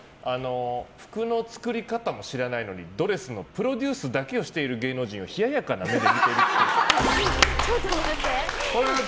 服の作り方も知らないのにドレスのプロデュースだけをしている芸能人を冷ややかな目で見ているっぽい。